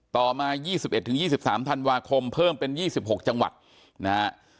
ต่อมา๒๑๒๓ธันวาคมเพิ่มเป็น๒๖จังหวัดนะฮะ